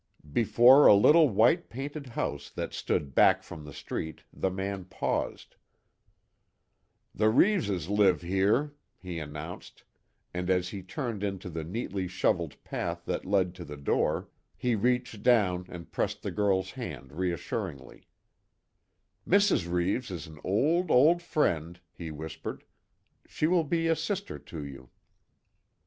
Before a little white painted house that stood back from the street, the man paused: "The Reeves' live here," he announced, and as he turned into the neatly shovelled path that led to the door, he reached down and pressed the girl's hand reassuringly: "Mrs. Reeves is an old, old friend," he whispered, "She will be a sister to you."